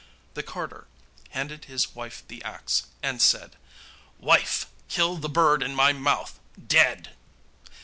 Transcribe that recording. The carter handed his wife the axe, and said: 'Wife, kill the bird in my mouth dead.